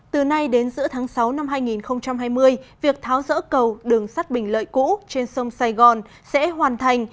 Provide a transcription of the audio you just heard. từ nay đến giữa tháng sáu năm hai nghìn hai mươi việc tháo rỡ cầu đường sắt bình lợi cũ trên sông sài gòn sẽ hoàn thành